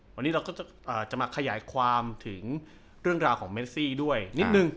วันนี้เราก็จะมาขยายความถึงเรื่องราวของเมซี่ด้วยนิดนึง